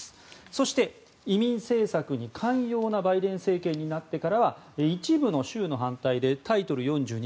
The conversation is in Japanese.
そして、移民政策に寛容なバイデン政権になってからは一部の州の反対でタイトル４２